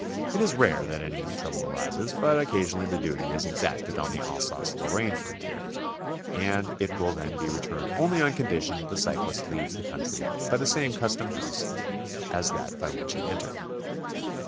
It is rare that any trouble arises, but occasio nally the duty is exacted on the Alsace Lorraine frontier, and it will then be returned only on condition that the cyclist leaves the coun try by the same custom house as that by which he entered.